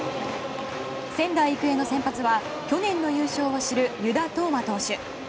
仙台育英の先発は去年の優勝を知る湯田統真投手。